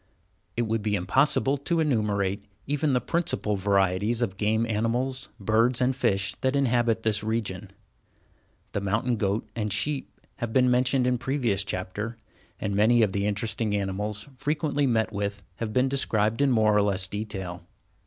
It would be impossible to enumerate even the principal varieties of game animals, birds, and fish that inhabit this region. The mountain goat and sheep have been mentioned in previous chapters, and many of the interesting animals frequently met with have been described in more or less detail.